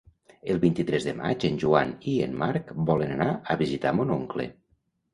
El vint-i-tres de maig en Joan i en Marc volen anar a visitar mon oncle.